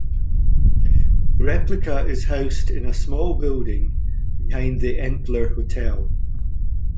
The replica is housed in a small building behind the Entler Hotel.